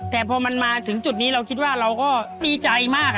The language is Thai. แต่พอมันมาถึงจุดนี้เราคิดว่าเราก็ดีใจมาก